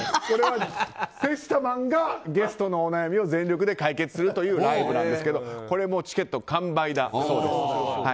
これはセシタマンがゲストのお悩みを全力で解決するというライブなんですがこれもチケット完売だそうです。